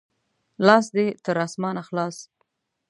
لاس دې تر اسمانه خلاص!